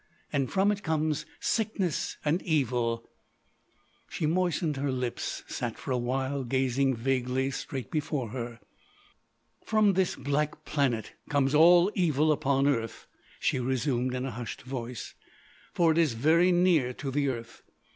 And from it comes sickness and evil——" She moistened her lips; sat for a while gazing vaguely straight before her. "From this black planet comes all evil upon earth," she resumed in a hushed voice. "For it is very near to the earth.